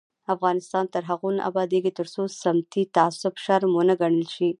افغانستان تر هغو نه ابادیږي، ترڅو سمتي تعصب شرم ونه ګڼل شي.